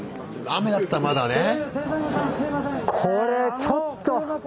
雨だったらまだね。